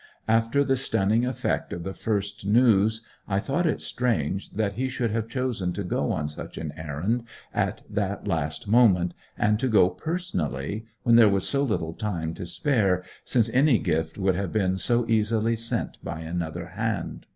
After the stunning effect of the first news, I thought it strange that he should have chosen to go on such an errand at the last moment, and to go personally, when there was so little time to spare, since any gift could have been so easily sent by another hand.